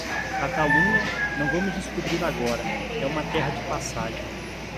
Catalunha, não vamos descobrir agora, é uma terra de passagem.